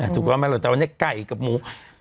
ถูกหรือว่าเราจะเอาไก่กับหมู